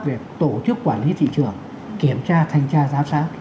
để tổ chức quản lý thị trường kiểm tra thanh tra giá sáng